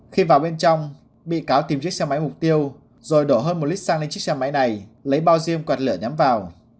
khi vào bên trong bị cáo tìm chiếc xe máy mục tiêu rồi đổ hơn một lít xăng lên chiếc xe máy này lấy bao diêm quạt lửa nhắm vào